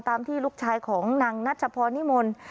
ตามที่ลูกชายของนางนัชพรนิมนต์